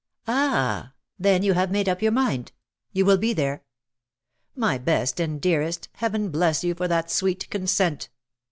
Ah, then you have made up your mind — you will be there. My best and dearest. Heaven bless you for that sweet consent."